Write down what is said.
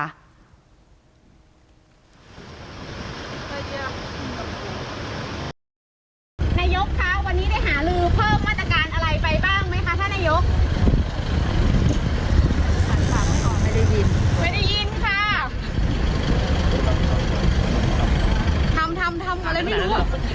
นายกร์ข้าววันนี้ได้หารือเพิ่มมาตรการอะไรไปบ้างไหมคะท่านนายก